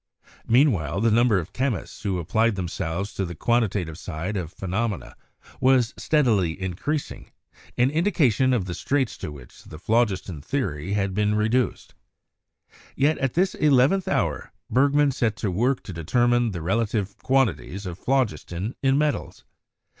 Meanwhile, the number of chemists who applied themselves to the quantitative side of phe nomena was steadily increasing, an indication of the straits to which the phlogiston theory had been reduced. Yet at this eleventh hour Bergman set to work to determine the relative quantities of phlogiston in metals.